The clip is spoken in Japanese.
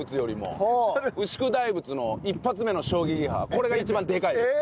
これが一番でかい。